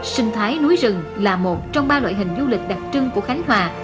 sinh thái núi rừng là một trong ba loại hình du lịch đặc trưng của khánh hòa